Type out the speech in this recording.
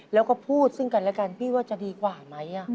แล้วก็พูดซึ่งกันแล้วกันพี่ว่าจะดีกว่าไหม